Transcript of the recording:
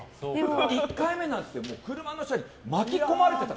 １回目なんてもう車の下に巻き込まれてた。